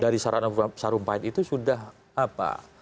dari sarana sarumpait itu sudah apa